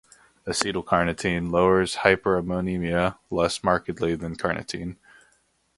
Acetyl--carnitine lowers hyperammonemia less markedly than -carnitine.